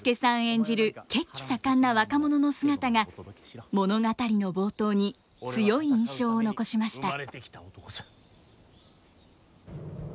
演じる血気盛んな若者の姿が物語の冒頭に強い印象を残しました。